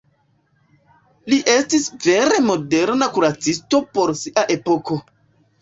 Li estis vere moderna kuracisto por sia epoko.